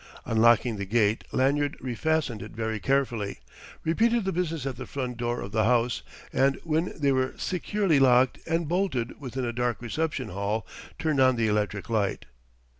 Unlocking the gate, Lanyard refastened it very carefully, repeated the business at the front door of the house, and when they were securely locked and bolted within a dark reception hall, turned on the electric light.